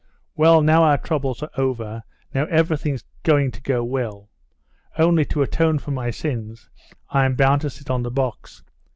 "Well, now our troubles are over, now everything's going to go well. Only, to atone for my sins, I'm bound to sit on the box.